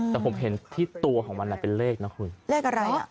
แต่ผมเห็นที่ตัวของมันเป็นเลขนะคุณเลขอะไรอ่ะ